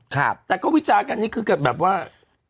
ครับแต่ก็วิจากันนี่คือแบบว่า